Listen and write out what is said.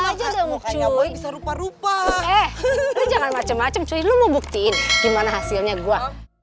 aja dong cuy eh lu jangan macem macem cuy lu mau buktiin gimana hasilnya gua